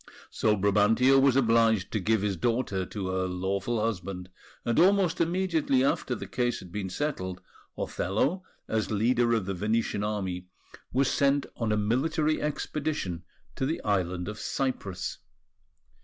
So Brabantio was obliged to give his daughter to her lawful husband; and almost immediately after the case had been settled, Othello, as leader of the Venetian Army, was sent on a military expedition to the island of Cyprus.